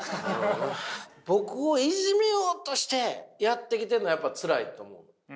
僕をいじめようとしてやってきてるのはやっぱつらいと思う。